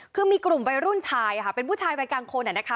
คือมีกลุ่มวัยรุ่นชายค่ะเป็นผู้ชายวัยกลางคนนะคะ